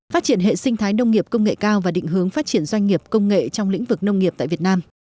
phát triển hệ sinh thái nông nghiệp công nghệ cao và định hướng phát triển doanh nghiệp công nghệ trong lĩnh vực nông nghiệp tại việt nam